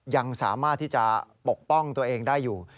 ยังสามารถที่จะปกป้องตัวเองได้อยู่